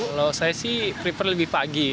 kalau saya sih prefer lebih pagi